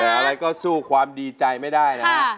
แต่อะไรก็สู้ความดีใจไม่ได้นะฮะ